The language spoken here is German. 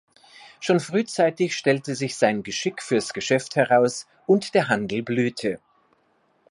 Schon frühzeitig stellte sich sein Geschick fürs Geschäft heraus und der Handel blühte.